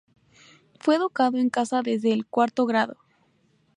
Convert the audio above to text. Fue educado en casa desde el cuarto grado.